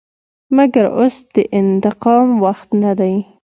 مګر اوس د انتقام وخت نه دى.